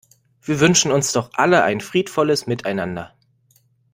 Wir wünschen uns doch alle ein friedvolles Miteinander.